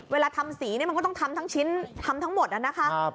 เวลาทำสีเนี่ยมันก็ต้องทำทั้งชิ้นทำทั้งหมดนะคะ